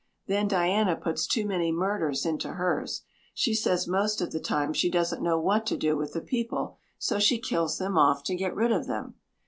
Then Diana puts too many murders into hers. She says most of the time she doesn't know what to do with the people so she kills them off to get rid of them.